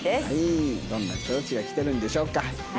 どんな人たちが来てるんでしょうか？